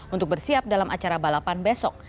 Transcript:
untuk bersiap dalam acara balapan besok